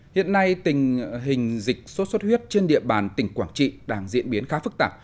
hiện nay tình hình dịch sốt xuất huyết trên địa bàn tỉnh quảng trị đang diễn biến khá phức tạp